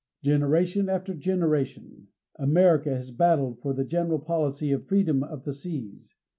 Generation after generation, America has battled for the general policy of the freedom of the seas.